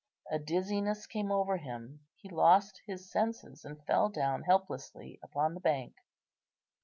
A dizziness came over him, he lost his senses, and fell down helplessly upon the bank.